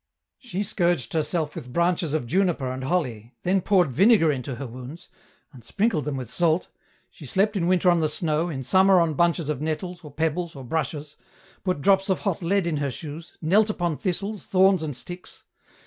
" She scourged herself with branches of juniper and holly, then poured vinegar into her wounds, and sprinkled them with salt, she slept in winter on the snow, in summer on bunches of nettles, or pebbles, or brushes, put drops of hot lead in her shoes, knelt upon thistles, thorns and sticks.